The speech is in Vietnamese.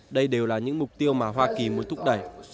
đây đều là những mục tiêu mà hoa kỳ muốn thúc đẩy